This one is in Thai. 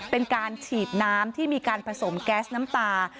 เป็นการฉีดน้ำที่มีการผสมแก๊สน้ำตา